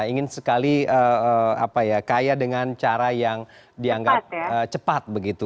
ingin sekali kaya dengan cara yang dianggap cepat begitu